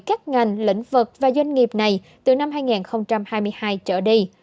các ngành lĩnh vực và doanh nghiệp này từ năm hai nghìn hai mươi hai trở đi